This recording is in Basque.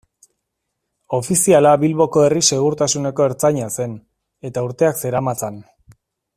Ofiziala Bilboko herri-segurtasuneko ertzaina zen, eta urteak zeramatzan.